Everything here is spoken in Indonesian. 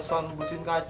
mas santi bangun dong mas